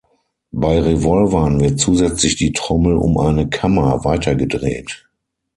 Bei Revolvern wird zusätzlich die Trommel um eine Kammer weitergedreht.